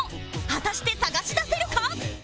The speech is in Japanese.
果たして探し出せるか？